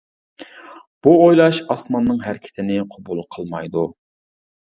بۇ ئويلاش ئاسماننىڭ ھەرىكىتىنى قوبۇل قىلمايدۇ.